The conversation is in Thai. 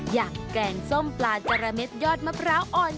แกงส้มปลาจาระเด็ดยอดมะพร้าวอ่อน